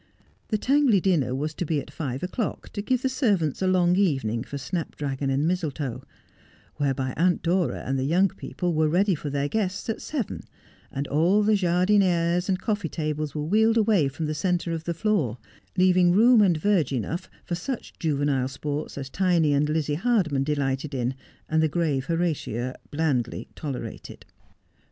The Tangley dinner was to be at five o'clock, to give the servants a long evening for snap dragon and mistletoe ; whereby Aunt Dora and the young people were ready for their guests at seven, and all the jardinieres and coffee tables were wheeled away from the centre of the floor, leaving room and verge enough for such juvenile sports as Tiny and Lizzie Hardman delighted in, and the grave Horatia blandly tolerated.